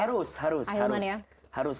harus harus harus